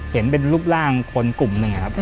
เห็นเป็นรูปร่างคนกลุ่มหนึ่งครับ